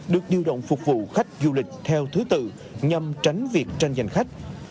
được điều động phục vụ khách du lịch theo thứ tự nhằm tránh việc tranh giành khách